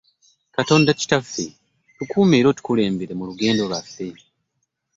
Katonda kitaffe tukuume era otukulembere mu lugendo lwaffe.